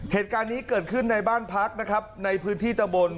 เหตุการณ์นี้เกิดขึ้นในบ้านพักนะครับในพื้นที่ตะบน